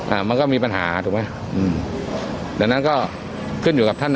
อ่ามันก็มีปัญหาถูกไหมอืมดังนั้นก็ขึ้นอยู่กับท่าน